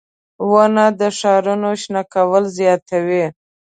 • ونه د ښارونو شنه کول زیاتوي.